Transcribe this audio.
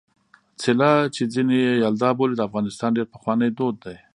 څِله چې ځيني يې یلدا بولي د افغانستان ډېر پخوانی دود دی.